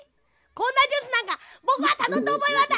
こんなジュースなんかぼくはたのんだおぼえはない！